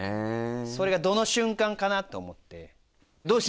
それがどの瞬間かなと思って。